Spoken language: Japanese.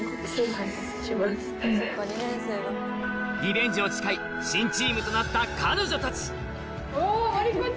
リベンジを誓い新チームとなった彼女たちお！